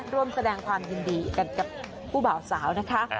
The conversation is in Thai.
ร่วมแสดงความยินดีกันกับผู้บ่าวสาวนะคะ